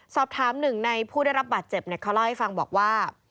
สอบถามหนึ่งในผู้ได้รับบาดเจ็บเขาเล่าให้ฟังบอกว่า